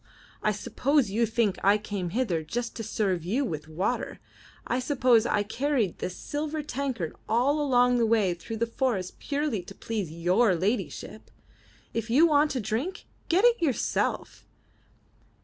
I suppose you think I came hither just to serve you with water! I suppose I carried this silver tankard all along the way through the forest purely to please your ladyship! If you want a drink, get it yourself.